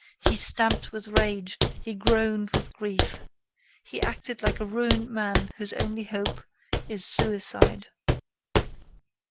He stamped with rage; he groaned with grief. He acted like a ruined man whose only hope is suicide.